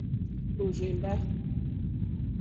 Òrzèmbá.